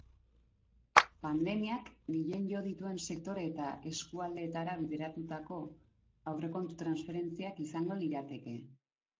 Pandemiak gehien jo dituen sektore eta eskualdeetara bideratutako aurrekontu-transferentziak izango lirateke.